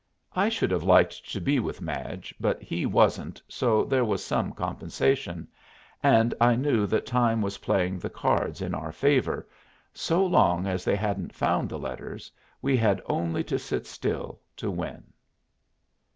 I should have liked to be with Madge, but he wasn't; so there was some compensation, and I knew that time was playing the cards in our favor: so long as they hadn't found the letters we had only to sit still to win.